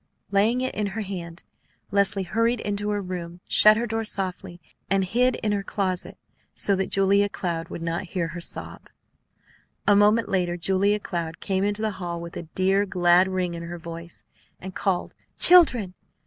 Laying it in her hand, Leslie hurried into her own room, shut her door softly, and hid in the closet so that Julia Cloud would not hear her sob. A moment later Julia Cloud came into the hall with a dear, glad ring in her voice, and called: "Children!